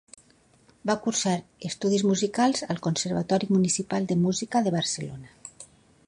Va cursar estudis musicals al Conservatori Municipal de Música de Barcelona.